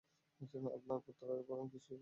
আপনার পুত্ররাই বরং কিছু শেখেনি।